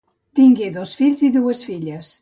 Tingué dos fills i dues filles.